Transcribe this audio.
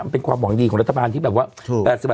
เพียงว่า